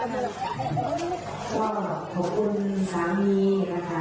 ได้แล้วพักใหญ่เลย